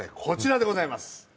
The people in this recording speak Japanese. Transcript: こちらでございます。